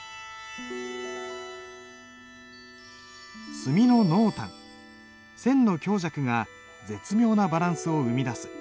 墨の濃淡線の強弱が絶妙なバランスを生み出す。